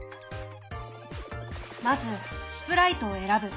まずスプライトを選ぶ。